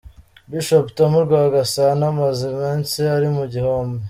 Bishop Tom Rwagasana amaze iminsi ari mu gihome.